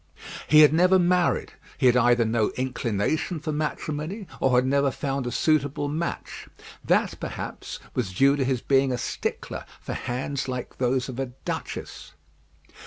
He had never married; he had either no inclination for matrimony, or had never found a suitable match. That, perhaps, was due to his being a stickler for hands like those of a duchess.